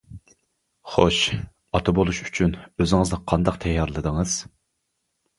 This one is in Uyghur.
خوش، ئاتا بولۇش ئۈچۈن ئۆزىڭىزنى قانداق تەييارلىدىڭىز؟ !